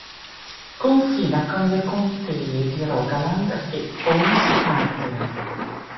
Confina con le contee di Rogaland e Aust-Agder.